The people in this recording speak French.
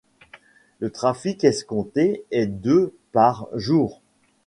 Le trafic escompté est de par jour.